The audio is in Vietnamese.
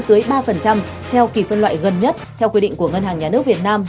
dưới ba theo kỳ phân loại gần nhất theo quy định của ngân hàng nhà nước việt nam